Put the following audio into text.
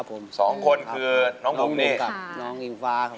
อายุ๒๔ปีวันนี้บุ๋มนะคะ